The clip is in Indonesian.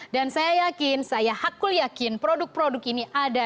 dan saya yakin saya hakul yakin produk produk ini ada